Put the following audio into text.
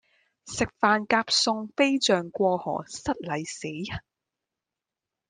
食飯夾餸飛象過河失禮死人